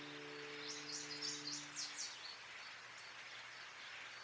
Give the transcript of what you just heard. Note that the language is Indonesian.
lalu kemudian pasangan petani melakukan hal yang benar